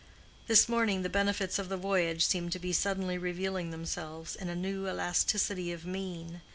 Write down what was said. This morning the benefits of the voyage seemed to be suddenly revealing themselves in a new elasticity of mien.